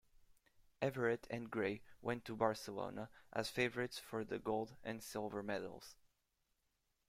Everett and Gray went to Barcelona as favorites for the gold and silver medals.